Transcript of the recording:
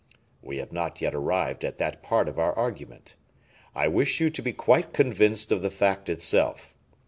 "We have not yet arrived at that part of our argument. I wish you to be quite convinced of the fact itself.